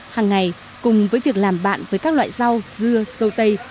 hàng ngày cùng với việc làm bạn với các loại rau dưa dâu tây